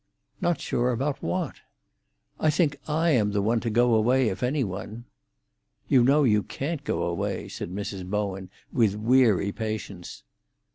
"Not sure about what?" "I think I am the one to go away, if any one." "You know you can't go away," said Mrs. Bowen, with weary patience.